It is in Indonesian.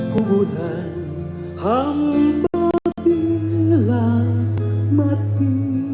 kuburan hamba bila mati